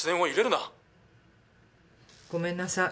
ごめんなさい。